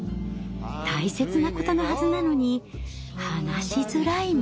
大切なことのはずなのに話しづらいもの。